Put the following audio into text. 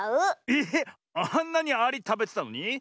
ええっあんなにアリたべてたのに？